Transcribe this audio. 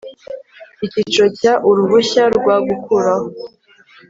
icyiciro cya uruhushya rwo gukuraho